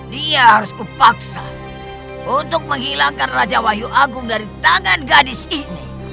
dia harus kupaksa untuk menghilangkan raja wahyu agung dari tangan gadis ini